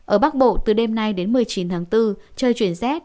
ở bắc bộ từ đêm nay đến một mươi chín tháng bốn trời chuyển rét